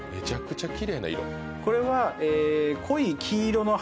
これは。